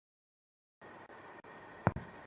তুমি কিছুই জানো না।